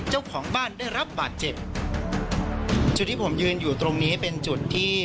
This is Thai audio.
เจ้าของบ้านได้รับบาดเจ็บจุดที่ผมยืนอยู่ตรงนี้เป็นจุดที่